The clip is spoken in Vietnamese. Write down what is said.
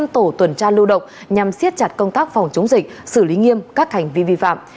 hai trăm linh tổ tuần tra lưu độc nhằm siết chặt công tác phòng chống dịch xử lý nghiêm các hành vi vi phạm